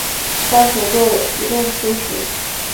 大熊座移动星群